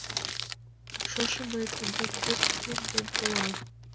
Шошым мый тендан дек диплом ден толам.